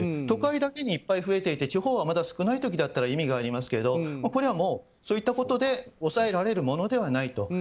都会だけにいっぱい増えていて地方はまだ少ない時だったら意味がありますが、これはそういったことで抑えられるものではないと。